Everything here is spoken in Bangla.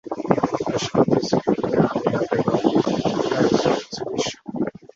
পেশাগত জীবনে আমিনা বেগম একজন চিকিৎসক।